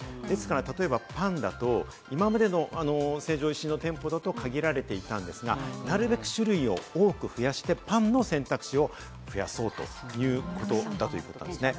例えばパンだと、今までの成城石井の店舗だと限られていたんですが、なるべく種類を多く増やしてパンの選択肢を増やそうということだということです。